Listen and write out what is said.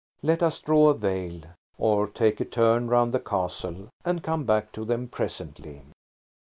Let us draw a veil, or take a turn round the castle and come back to them presently.